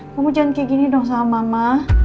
kamu jangan kayak gini dong sama mama